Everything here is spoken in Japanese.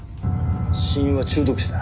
死因は中毒死だ。